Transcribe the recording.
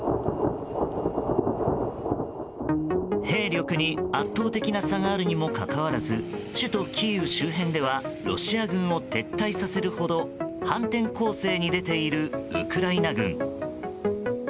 兵力に圧倒的な差があるにもかかわらず首都キーウ周辺ではロシア軍を撤退させるほど反転攻勢に出ているウクライナ軍。